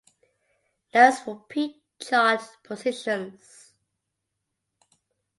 Notes for peak chart positions